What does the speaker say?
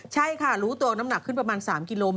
ใช่ค่ะรู้ตัวน้ำหนักขึ้นประมาณ๓กิโล